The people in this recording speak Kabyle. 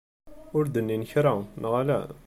Ur d-nnin kra, neɣ ala?